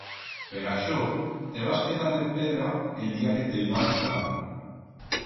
Per aixó, te vas quedar de pedra el día que te'l van regalar.